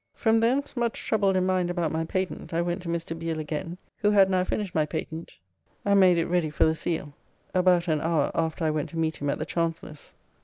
From thence, much troubled in mind about my patent, I went to Mr. Beale again, who had now finished my patent and made it ready for the Seal, about an hour after I went to meet him at the Chancellor's.